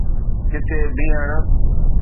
ڪٿي بيهڻ.